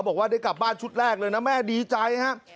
บอกว่าได้กลับบ้านชุดแรกเลยนะแม่ดีใจครับ